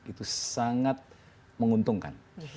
itu sangat menguntungkan